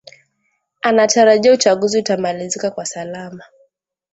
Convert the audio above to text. anatarajia uchaguzi utamalizika kwa salama